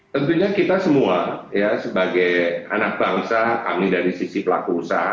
tentunya kita semua ya sebagai anak bangsa kami dari sisi pelaku usaha